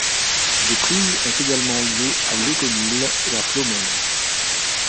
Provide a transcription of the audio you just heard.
Des prises ont également lieu à Lesconil et à Plomeur.